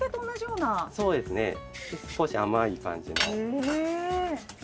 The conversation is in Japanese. そうですね少し甘い感じの。